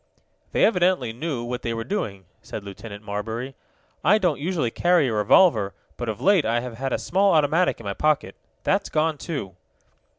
"They evidently knew what they were doing," said Lieutenant Marbury. "I don't usually carry a revolver, but of late I have had a small automatic in my pocket. That's gone, too."